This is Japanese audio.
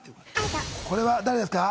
これは誰ですか？